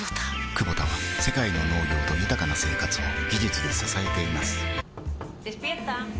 クボタは世界の農業と豊かな生活を技術で支えています起きて。